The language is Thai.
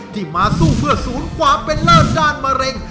ที่มาสู้เพื่อศูนย์ความเป็นเลิศด้านมะเร็ง